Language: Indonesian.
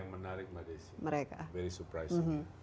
yang menarik pada isi very surprising